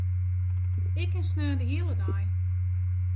Ik kin sneon de hiele dei.